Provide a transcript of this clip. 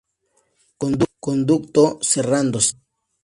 Conducto cerrándose.